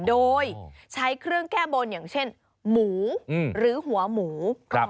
โดยใช้เครื่องแก้บนอย่างเช่นหมูหรือหัวหมู